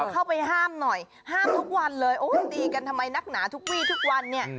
เข้าไปห้ามหน่อยห้ามทุกวันเลยโอ้ยตีกันทำไมนักหนาทุกวี่ทุกวันเนี่ย